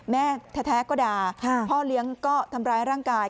แม่แท้ก็ด่าพ่อเลี้ยงก็ทำร้ายร่างกาย